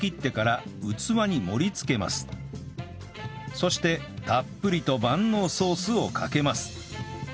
そしてたっぷりと万能ソースをかけます